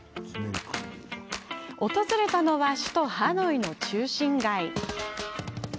訪れたのは首都ハノイの中心街。